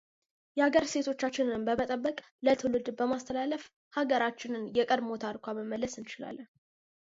The player determines the conditions and objectives of the game during player configuration.